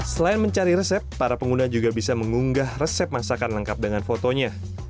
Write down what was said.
selain mencari resep para pengguna juga bisa mengunggah resep masakan lengkap dengan fotonya